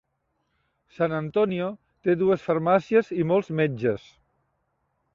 San Antonio té dues farmàcies i molts metges.